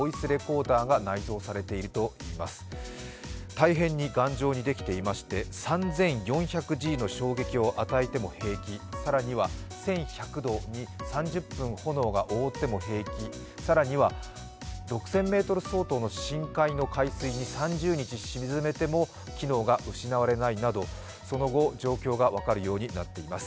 大変に頑丈にできていまして３４００Ｇの衝撃を与えても平気、更には１１００度に３０分炎が覆っても平気、更には、６０００ｍ相当の深度海水に３０日沈めても機能が失われないなどその後、状況が分かるようになっています。